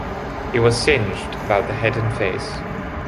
He was singed about the head and face.